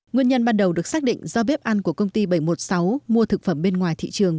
nguyên nhân ban đầu được xác định do bếp ăn của công ty bảy trăm một mươi sáu mua thực phẩm bên ngoài thị trường